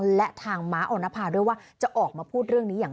รุ่นน้องและทางมออนพาด้วยว่าจะออกมาพูดเรื่องนี้อย่าง